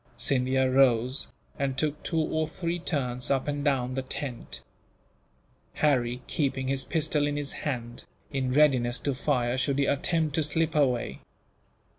Scindia rose, and took two or three turns up and down the tent; Harry keeping his pistol in his hand, in readiness to fire should he attempt to slip away.